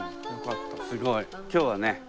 すごい。今日はね